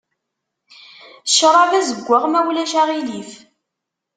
Ccṛab azeggaɣ ma ulac aɣilif.